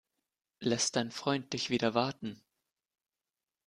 Lässt dein Freund dich wieder warten?